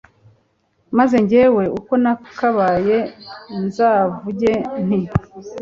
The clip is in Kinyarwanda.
maze jyewe, uko nakabaye, nzavuge nti